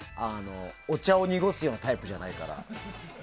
お茶を濁すようなタイプではないから。